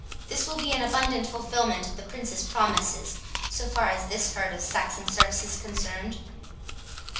This will be an abundant fulfilment of the Prince's promises, so far as this herd of Saxon serfs is concerned."